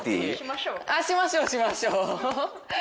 しましょうしましょう。